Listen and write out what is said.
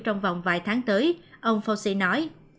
trong vòng vài tháng tới ông fauci nói